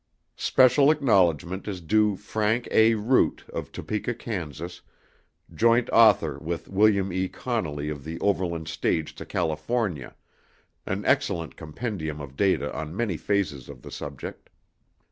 Special acknowledgment is due Frank A. Root of Topeka, Kansas, joint author with William E. Connelley of The Overland Stage To California, an excellent compendium of data on many phases of the subject.